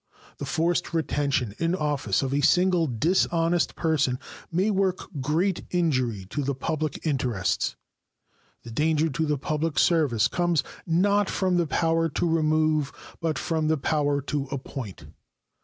The forced retention in office of a single dishonest person may work great injury to the public interests. The danger to the public service comes not from the power to remove, but from the power to appoint.